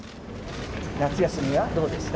夏休みはどうですか？